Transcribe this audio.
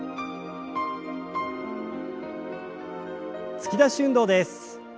突き出し運動です。